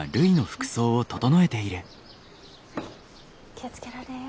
気を付けられえよ。